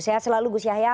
sehat selalu gus yahya